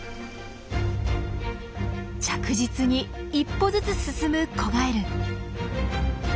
着実に一歩ずつ進む子ガエル。